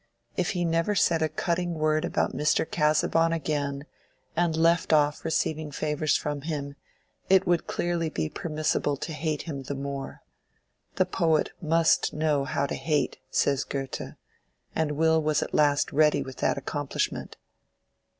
If he never said a cutting word about Mr. Casaubon again and left off receiving favors from him, it would clearly be permissible to hate him the more. The poet must know how to hate, says Goethe; and Will was at least ready with that accomplishment.